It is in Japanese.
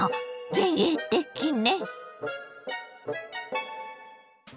前衛的ね。